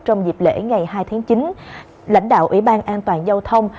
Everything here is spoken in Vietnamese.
trong dịp lễ ngày hai tháng chín lãnh đạo ủy ban an toàn giao thông